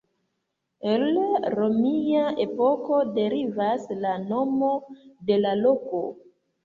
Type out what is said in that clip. El romia epoko derivas la nomo de la loko.